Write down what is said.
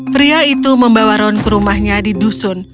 pria itu membawa ron ke rumahnya di dusun